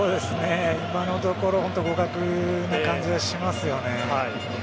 今のところ互角な感じがしますよね。